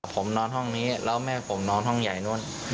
ผมนอนห้องนี้แล้วแม่ผมนอนห้องใหญ่นู่น